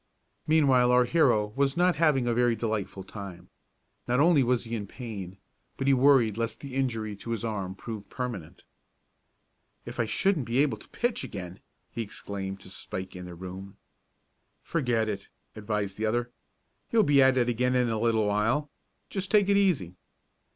Meanwhile our hero was not having a very delightful time. Not only was he in pain, but he worried lest the injury to his arm prove permanent. "If I shouldn't be able to pitch again!" he exclaimed to Spike, in their room. "Forget it!" advised the other. "You'll be at it again in a little while. Just take it easy."